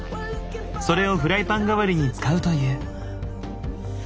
それをフライパンがわりに使うという。